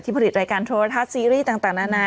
ผลิตรายการโทรทัศน์ซีรีส์ต่างนานา